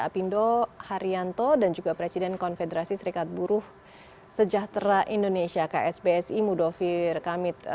apindo haryanto dan juga presiden konfederasi serikat buruh sejahtera indonesia ksbsi mudofir kamit